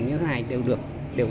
như thế này đều được